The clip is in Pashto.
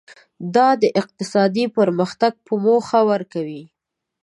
دا د اقتصادي پرمختګ په موخه ورکوي.